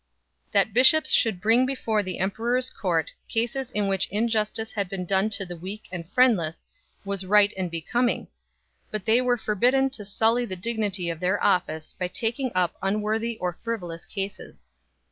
That bishops should bring before the emperor s court cases in which injustice had been done to the weak and friendless was right and becoming ; but they were forbidden to sully the dignity of their office by taking up unworthy or frivolous cases 5